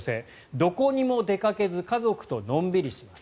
どこにも出かけず家族とのんびりします。